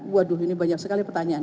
waduh ini banyak sekali pertanyaan